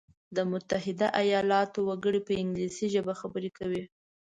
د متحده ایلاتو وګړي په انګلیسي ژبه خبري کوي.